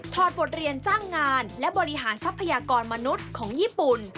อดบทเรียนจ้างงานและบริหารทรัพยากรมนุษย์ของญี่ปุ่น